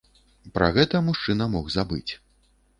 Пра гэта мужчына мог забыць.